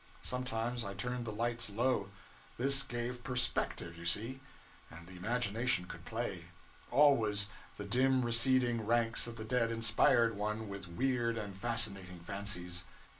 Sometimes I turned the lights low: this gave perspective, you see; and the imagination could play; always, the dim receding ranks of the dead inspired one with weird and fascinating fancies.